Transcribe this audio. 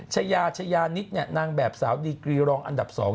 ชายาชายานิดนางแบบสาวดีกรีรองอันดับ๒